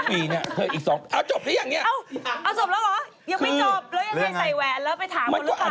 อยู่เป็นอยู่เป็น